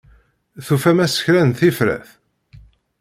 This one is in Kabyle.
Tufam-as kra n tifrat?